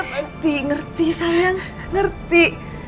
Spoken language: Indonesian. ngerti ngerti sayang ngerti